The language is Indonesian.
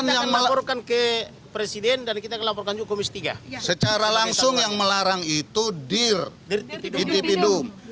yang melarang secara lisan yang melarang itu dir dirtipidum